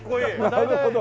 なるほど。